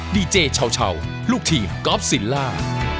ดีเจชาวลูกทีมกอล์ฟศิลป์